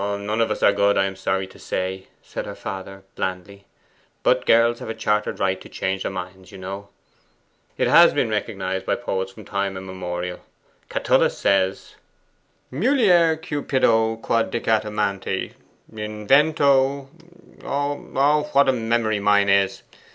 'None of us are good, I am sorry to say,' said her father blandly; 'but girls have a chartered right to change their minds, you know. It has been recognized by poets from time immemorial. Catullus says, "Mulier cupido quod dicit amanti, in vento " What a memory mine is!